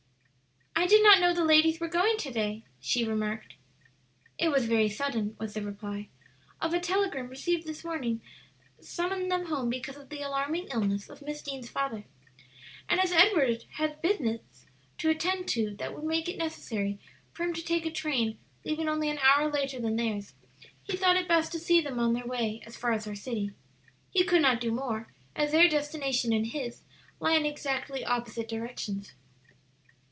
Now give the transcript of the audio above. "I did not know the ladies were going to day," she remarked. "It was very sudden," was the reply; "a telegram received this morning summoned them home because of the alarming illness of Miss Deane's father, and as Edward had business to attend to that would make it necessary for him to take a train leaving only an hour later than theirs, he thought it best to see them on their way as far as our city. He could not do more, as their destination and his lie in exactly opposite directions."